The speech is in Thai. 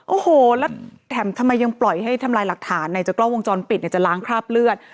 โอ้โหแล้วแถมทำไมยังปล่อยให้ทำลายหลักฐานในจากกล้องวงจรปิดเนี่ยจะล้างคราบเลือด